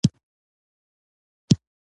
د امارت لپاره دې د روسیې سره یو ځای شي.